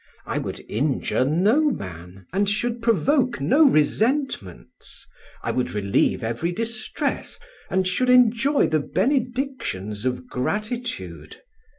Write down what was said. I would injure no man, and should provoke no resentments; I would relieve every distress, and should enjoy the benedictions of gratitude.